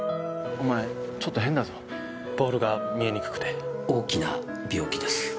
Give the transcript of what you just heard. お前ちょっと変だぞボールが見えにくくて大きな病気です